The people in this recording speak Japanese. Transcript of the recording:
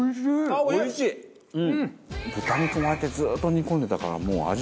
豚肉もああやってずっと煮込んでたからもう味